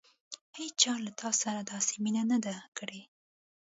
هېڅچا له تا سره داسې مینه نه ده کړې.